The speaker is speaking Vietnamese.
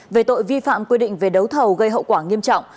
về tội vi phạm quy định về đấu thầu gây hậu quả nghiêm trọng